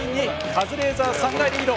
カズレーザーさんがリード！